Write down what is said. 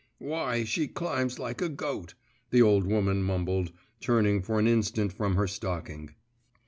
'Why, she climbs like a goat,' the old woman mumbled, turning for an instant from her stocking.